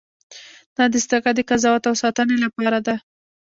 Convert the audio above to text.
دا دستگاه د قضاوت او ساتنې لپاره ده.